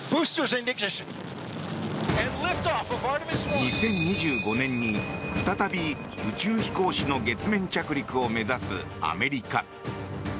２０２５年に再び宇宙飛行士の月面着陸を目指すアメリカ。